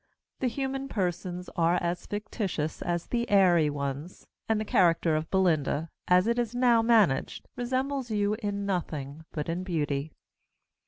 The human persons are as fictitious as the airy ones; and the character of Belinda, as it is now managed, resembles you in nothing but in beauty.